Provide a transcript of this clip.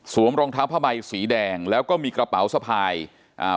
รองเท้าผ้าใบสีแดงแล้วก็มีกระเป๋าสะพายอ่า